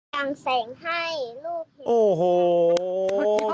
จังแสงให้ลูกเห็นเชียง